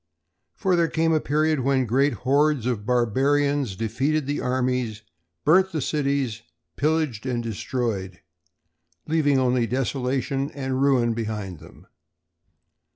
For there came a period when great hordes of barbarians defeated the armies, burnt the cities, pillaged and destroyed, leaving only desolation and ruin behind them.